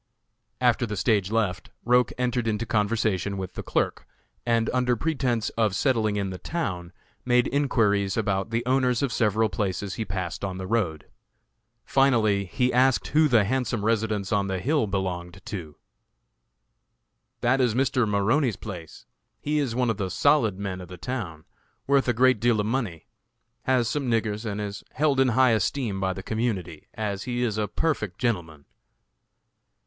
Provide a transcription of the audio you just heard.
After the stage left, Roch entered into conversation with the clerk, and, under pretense of settling in the town, made enquiries about the owners of several places he passed on the road. Finally he asked who the handsome residence on the hill belonged to. "That is Mr. Maroney's place. He is one of the 'solid' men of the town; worth a great deal of money; has some niggers, and is held in high esteem by the community, as he is a perfect gentleman."